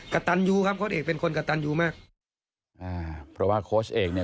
กระตันยูครับโค้ดเอกเป็นคนกระตันยูมากอ่าเพราะว่าโค้ชเอกเนี่ย